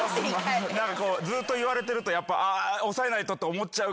ずっと言われてるとやっぱ抑えないとって思っちゃうけど